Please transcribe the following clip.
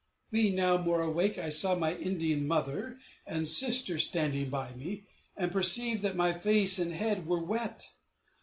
Being now more awake, I saw my Indian mother and sister standing by me, and perceived that my face and head were wet.